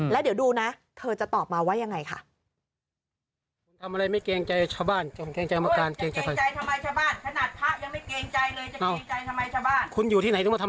แล้วเดี๋ยวดูนะเธอจะตอบมาว่ายังไงค่ะ